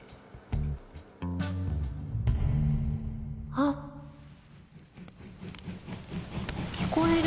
あっきこえる。